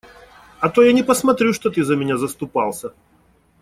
А то я не посмотрю, что ты за меня заступался.